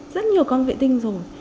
rất nhiều con vệ tinh rồi